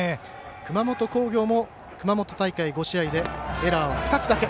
熊本工業も熊本大会５試合でエラーは２つだけ。